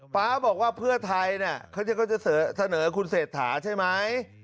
ฟ้าบอกว่าเพื่อไทยเขาก็จะเสนอคุณเศรษฐาใช่ไหม